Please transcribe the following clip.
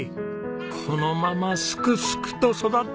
このまますくすくと育ってくださいよ！